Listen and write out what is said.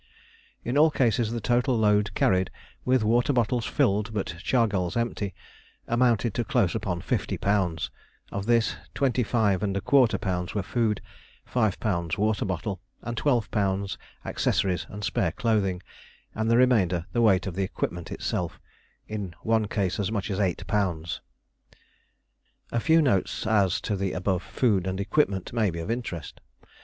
In all cases the total load carried, with water bottles filled but chargals empty, amounted to close upon 50 lb.; of this 25¼ lb. were food, 5 lb. water bottle, and 12 lb. accessories and spare clothing; and the remainder the weight of the equipment itself in one case as much as 8 lb. A few notes as to the above food and equipment may be of interest.